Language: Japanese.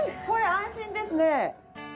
これ安心ですね。